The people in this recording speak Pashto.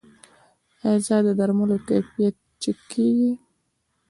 آیا د درملو کیفیت چک کیږي؟